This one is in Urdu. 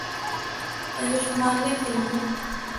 آیوشمان نے فلموں